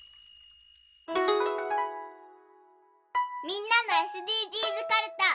みんなのＳＤＧｓかるた。